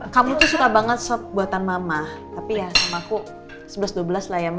kamu tuh suka banget sop buatan mama tapi ya sama aku sebelas dua belas lah ya mama